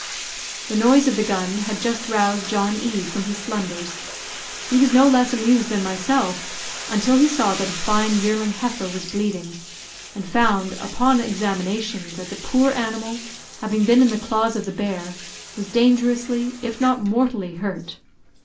The noise of the gun had just roused John E from his slumbers. He was no less amused than myself, until he saw that a fine yearling heifer was bleeding, and found, upon examination, that the poor animal, having been in the claws of the bear, was dangerously, if not mortally hurt.